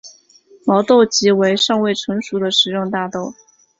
毛豆即为尚未成熟的食用大豆。